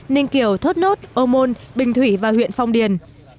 ninh kiều thốt nốt ô môn bình thủy và huyện phong điền